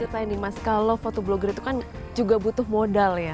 boleh dicatain nih mas kalau fotoblogger itu kan juga butuh modal ya